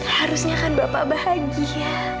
harusnya kan bapak bahagia